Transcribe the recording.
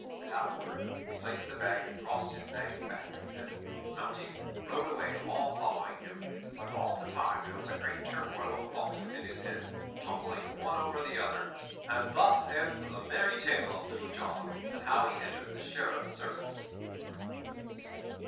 Without a word, he placed the bag across his nag's back and then, mounting, rode away, all following him; but all the time there was a great turmoil of thoughts within his head, tumbling one over the other. And thus ends the merry tale of Little John and how he entered the Sheriff's service.